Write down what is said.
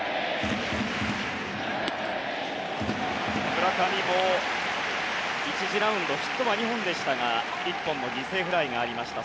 村上も１次ラウンドヒットは２本でしたが１本の犠牲フライがありました。